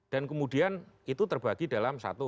dan kemudian itu terbagi dalam satu